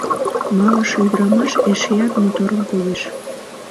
Малыше ӱдырамаш эшеат моторын коеш.